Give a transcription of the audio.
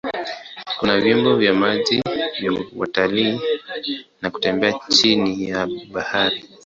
Kuna vyombo vya maji vya watalii na kutembea chini ya bahari.